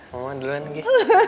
mama duluan lagi